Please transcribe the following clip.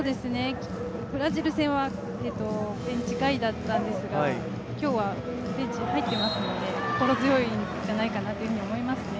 ブラジル戦はベンチ外だったんですが今日はベンチなので心強いんじゃないかなと思いますね。